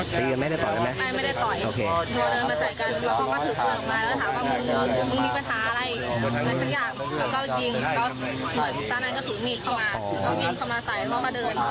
ก็ยิงมันก็เริ่มยิงหลังก็บอกว่ามึงยิงเลยมึงยิงก็ยิง